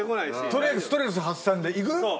とりあえずストレス発散でいく？